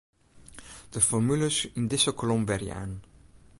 De formules yn dizze kolom werjaan.